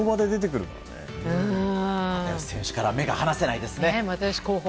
選手から目が離せないですね。